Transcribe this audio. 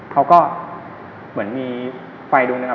เขาก็เหมือนมีไฟดวงหนึ่งอ